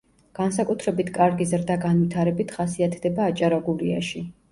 განსაკუთრებით კარგი ზრდა–განვითარებით ხასიათდება აჭარა–გურიაში.